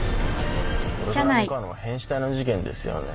これから向かうのは変死体の事件ですよね。